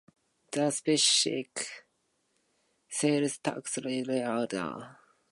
The specific sales tax rate and rules vary by jurisdiction.